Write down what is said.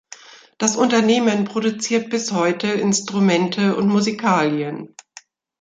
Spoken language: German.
Das Unternehmen produziert bis heute Instrumente und Musikalien.